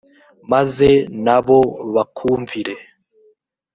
maze na bo bakumvire